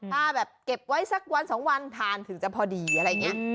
ถ้าแบบเก็บไว้สักวันสองวันผ่านถึงจะพอดีอะไรอย่างนี้